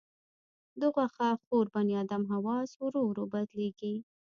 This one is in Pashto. د غوښه خور بنیادم حواس ورو ورو بدلېږي.